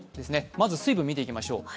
まず水分を見ていきましょう。